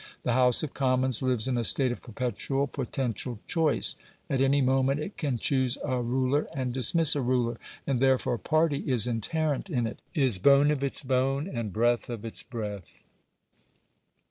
The House of Commons lives in a state of perpetual potential choice; at any moment it can choose a ruler and dismiss a ruler. And therefore party is inherent in it, is bone of its bone, and breath of its breath.